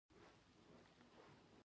اوبه ډیرې وڅښئ